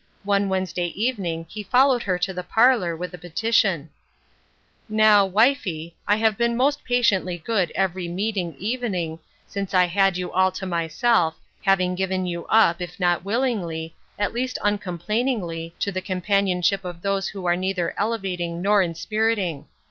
One Wednes day evening he followed her to the parlor with a petition :" Now, wifie, I have been most patiently good every * meeting ' evening, since I had you all to myself, having given you up, if not willingly, at least uncomplainingly, to the companionship of those who are neither elevating nor inspiriting.